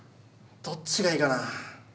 どっちがいいかな。